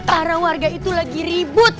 para warga itu lagi ribut